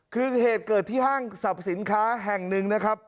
คือเหตุเกิดที่ห้างสรรพสินค้าแห่งหนึ่งนะครับ